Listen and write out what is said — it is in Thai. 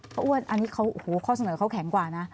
อ้วนอันนี้เขาโอ้โหข้อเสนอเขาแข็งกว่านะ